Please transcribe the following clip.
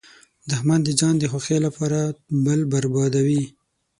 دښمن د ځان د خوښۍ لپاره بل بربادوي